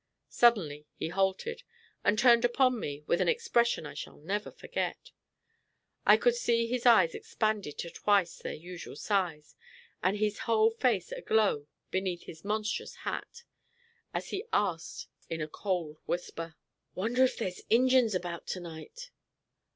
Suddenly he halted, and turned upon me with an expression I shall never forget. I could see his eyes expanded to twice their usual size, and his whole face aglow beneath his monstrous hat, as he asked in a cold whisper: "Wonder if there's Injins about to night."